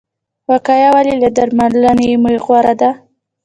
وقایه ولې له درملنې غوره ده؟